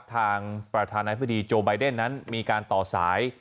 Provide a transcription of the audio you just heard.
ทางประธานาธิบดีโจไบเดนนั้นมีการต่อสาย